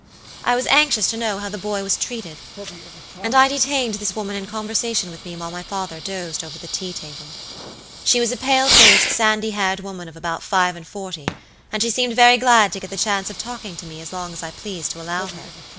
"I was anxious to know how the boy was treated, and I detained this woman in conversation with me while my father dozed over the tea table. "She was a pale faced, sandy haired woman of about five and forty and she seemed very glad to get the chance of talking to me as long as I pleased to allow her.